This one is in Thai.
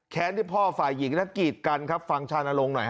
แค้นที่พ่อฝ่ายหญิงนักกีฐกันครับฟังชาญลงค์หน่อยฮะ